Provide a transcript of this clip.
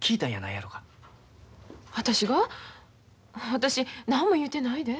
私何も言うてないで。